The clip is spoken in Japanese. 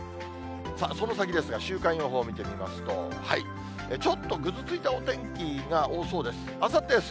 その先ですが、週間予報見てみますと、ちょっとぐずついたお天気が多そうです。